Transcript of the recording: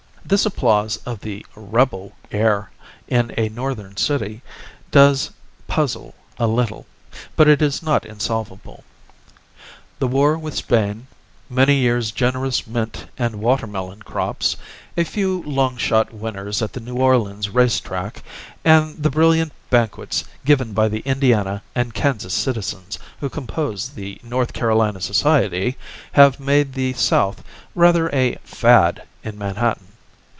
This applause of the "rebel" air in a Northern city does puzzle a little; but it is not insolvable. The war with Spain, many years' generous mint and watermelon crops, a few long shot winners at the New Orleans race track, and the brilliant banquets given by the Indiana and Kansas citizens who compose the North Carolina Society have made the South rather a "fad" in Manhattan.